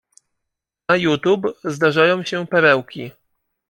Na Youtube zdażają się perełki.